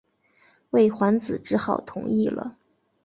魏桓子只好同意了。